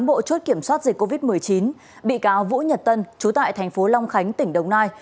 bộ chốt kiểm soát dịch covid một mươi chín bị cáo vũ nhật tân chú tại thành phố long khánh tỉnh đồng nai